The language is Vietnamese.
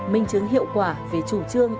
minh chứng hiệu quả về chủ trương